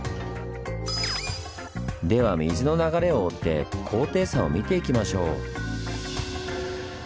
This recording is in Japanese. では水の流れを追って高低差を見ていきましょう。